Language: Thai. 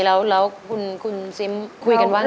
แล้วคุณซิมคุยกันว่า